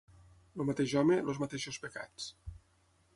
El mateix home, els mateixos pecats.